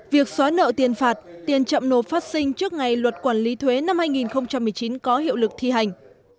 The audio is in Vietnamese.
việc xóa nợ tiền phạt tiền chậm nộp phát sinh trước ngày luật quản lý thuế năm hai nghìn một mươi chín có hiệu lực thi hành